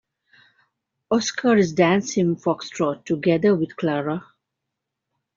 Oscar is dancing foxtrot together with Clara.